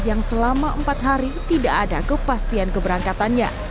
yang selama empat hari tidak ada kepastian keberangkatannya